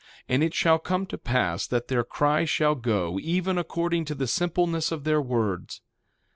And it shall come to pass that their cry shall go, even according to the simpleness of their words.